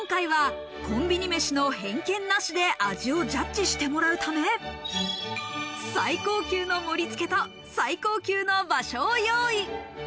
今回はコンビニ飯の偏見なしで味をジャッジしてもらうため最高級の盛り付けと最高級の場所を用意。